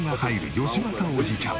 義正おじいちゃん。